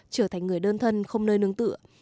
trở thành người đơn thân không nơi nương tựa